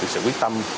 sự quyết tâm